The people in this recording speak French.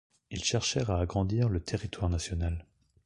Il cherchèrent à agrandir le territoire national.